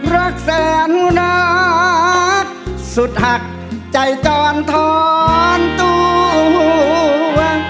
รักเสียหนุนักสุดหักใจจอนถอนตัว